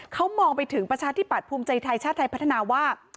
เขามองไปถึงประชาธิบัตย์ภูมิใจไทยชาติไทยพัฒนาว่า